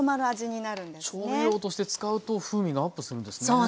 調味料として使うと風味がアップするんですね。